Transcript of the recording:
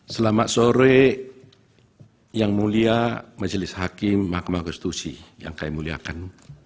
selamat sore yang mulia majelis hakim mahkamah konstitusi yang kami muliakan